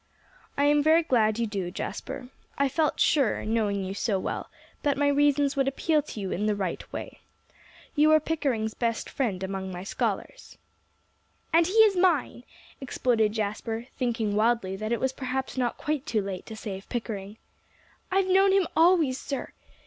"I am very glad you do, Jasper. I felt sure, knowing you so well, that my reasons would appeal to you in the right way. You are Pickering's best friend among my scholars." "And he is mine," exploded Jasper, thinking wildly that it was perhaps not quite too late to save Pickering. "I've known him always, sir."